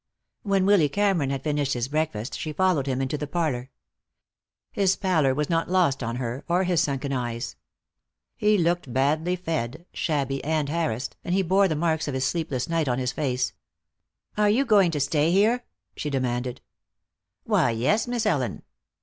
When Willy Cameron had finished his breakfast she followed him into the parlor. His pallor was not lost on her, or his sunken eyes. He looked badly fed, shabby, and harassed, and he bore the marks of his sleepless night on his face. "Are you going to stay here?" she demanded. "Why, yes, Miss Ellen."